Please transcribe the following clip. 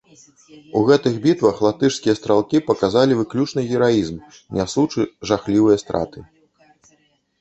У гэтых бітвах латышскія стралкі паказалі выключны гераізм, нясучы жахлівыя страты.